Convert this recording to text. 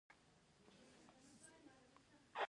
د کابل سیند د افغان ځوانانو د هیلو استازیتوب کوي.